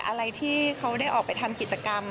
อะไรที่เขาได้ออกไปทำกิจกรรม